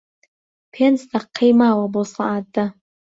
پێنج دەقەی ماوە بۆ سەعات دە.